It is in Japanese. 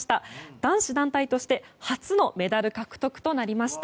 男子団体として初のメダル獲得となりました。